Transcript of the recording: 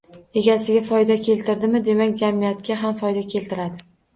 Egasiga foyda keltirdimi, demak... jamiyatga ham foyda keltiradi.